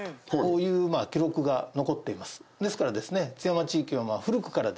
ですからですね。